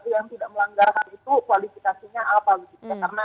yang tidak melanggar ham itu kualifikasinya apa gitu ya